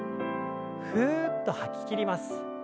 ふうっと吐ききります。